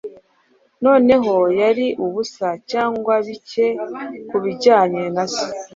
Noneho yari ubusa, cyangwa bike Kubijyanye na Se?